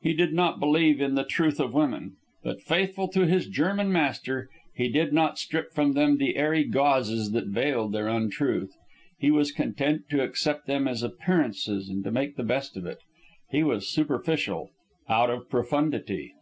He did not believe in the truth of women; but, faithful to his German master, he did not strip from them the airy gauzes that veiled their untruth. He was content to accept them as appearances and to make the best of it. He was superficial OUT OF PROFUNDITY.